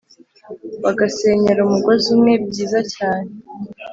Bagasenyera umugozi umwe byiza cyane